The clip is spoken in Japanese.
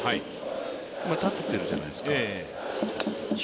今、立てているじゃないですか。